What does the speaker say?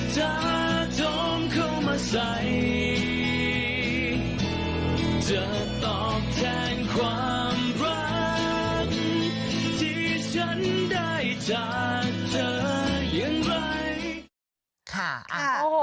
จะตอบแทนความรักที่ฉันได้จากเธออย่างไร